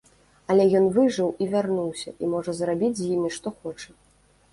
Але ён выжыў і вярнуўся і можа зрабіць з імі што хоча.